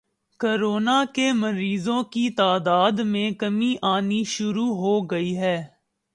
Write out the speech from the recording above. corona کے مریضوں کی تعداد میں کمی آنی شروع ہو گئی ہے